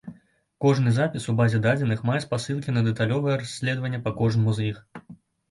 Кожны запіс у базе дадзеных мае спасылкі на дэталёвае расследаванне па кожнаму з іх.